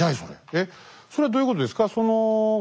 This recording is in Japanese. えっそれはどういうことですか？